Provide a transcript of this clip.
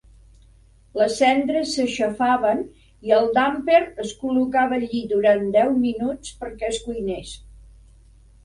Les cendres s'aixafaven i el "damper" es col·locava allí durant deu minuts perquè es cuinés.